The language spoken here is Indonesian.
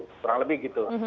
kurang lebih gitu